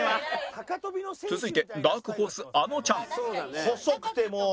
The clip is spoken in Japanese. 続いてダークホースあのちゃん細くてもう。